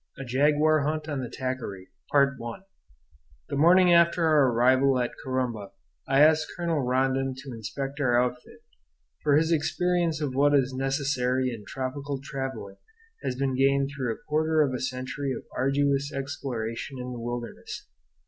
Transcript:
III. A JAGUAR HUNT ON THE TAQUARY The morning after our arrival at Corumba I asked Colonel Rondon to inspect our outfit; for his experience of what is necessary in tropical travelling has been gained through a quarter of a century of arduous exploration in the wilderness.